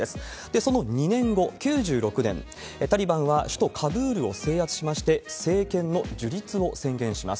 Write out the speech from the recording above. その２年後、９６年、タリバンは首都カブールを制圧しまして、政権の樹立を宣言します。